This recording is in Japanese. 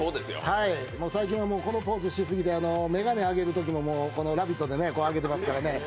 もう最近はこのポーズのしすぎで眼鏡を上げるときもこのラヴィット！で上げてますからね。